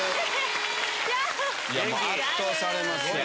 圧倒されますよ。